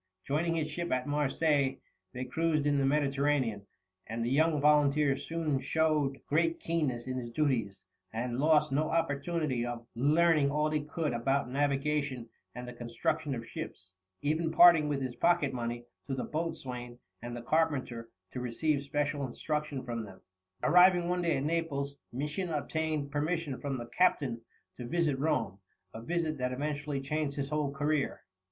Joining his ship at Marseilles, they cruised in the Mediterranean, and the young volunteer soon showed great keenness in his duties, and lost no opportunity of learning all he could about navigation and the construction of ships, even parting with his pocket money to the boatswain and the carpenter to receive special instruction from them. Arriving one day at Naples, Misson obtained permission from the captain to visit Rome, a visit that eventually changed his whole career.